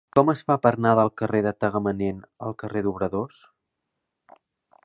Com es fa per anar del carrer de Tagamanent al carrer d'Obradors?